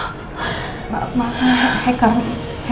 hacker apa ya